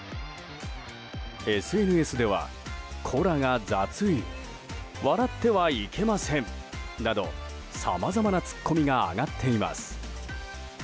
ＳＮＳでは、コラが雑い笑ってはいけませんなどさまざまなツッコミが上がっています。